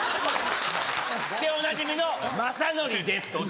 でおなじみの雅紀です。